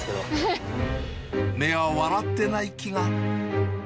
目が笑ってない気が。